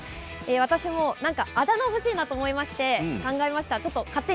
私も何かあだな欲しいなと思いまして考えました。